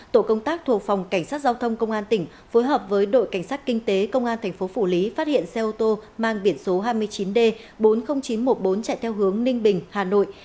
tổ công tác thuộc phòng cảnh sát giao thông công an tỉnh phối hợp với đội cảnh sát kinh tế công an thành phố phủ lý phát hiện xe ô tô mang biển số hai mươi chín d bốn mươi nghìn chín trăm một mươi bốn chạy theo hướng ninh bình hà nội